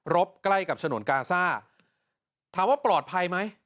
ใกล้กับฉนวนกาซ่าถามว่าปลอดภัยไหม